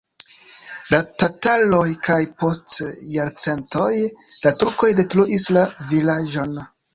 La tataroj kaj post jarcentoj la turkoj detruis la vilaĝon.